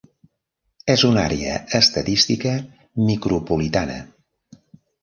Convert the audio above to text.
És una àrea estadística micropolitana.